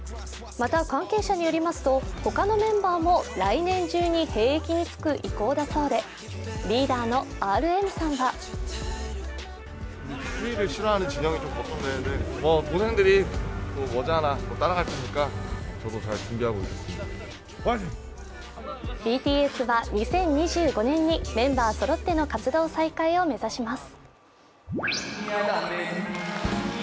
また、関係者によりますと、他のメンバーも来年中に兵役に就く意向だそうでリーダーのＲＭさんはＢＴＳは２０２５年にメンバーそろっての活動再開を目指します。